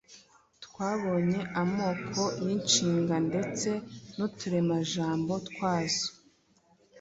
Twabonye amoko y’inshinga ndetse n’uturemajambo twazo.